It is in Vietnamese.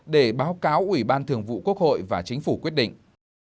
để báo cáo ủy ban thường vụ quốc hội và chính phủ quyết định